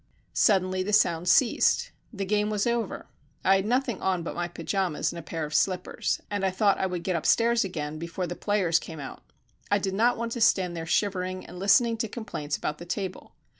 Suddenly the sound ceased. The game was over. I had nothing on but my pyjamas and a pair of slippers, and I thought I would get upstairs again before the players came out. I did not want to stand there shivering and listening to complaints about the table.